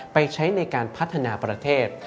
ไปใช้ในการพัฒนาประเทศ